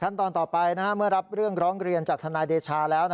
ตอนต่อไปเมื่อรับเรื่องร้องเรียนจากทนายเดชาแล้ว